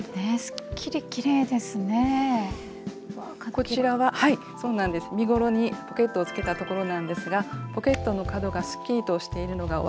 こちらは身ごろにポケットをつけたところなんですがポケットの角がすっきりとしているのがお分かり頂けますか？